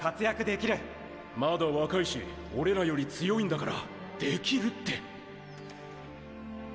まだ若いし俺らより強いんだからできるって！